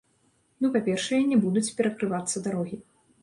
Ну, па-першае, не будуць перакрывацца дарогі.